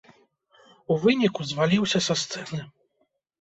У выніку, зваліўся са сцэны.